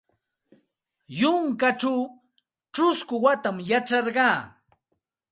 Yunkaćhaw ćhusku watam yacharqa.